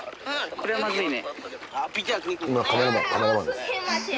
これはまずいね。